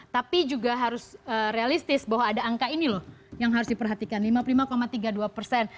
tapi juga harus realistis bahwa ada angka ini loh yang harus diperhatikan